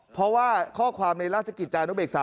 เพราะว่าข้อความในราชกิจจานุเบกษา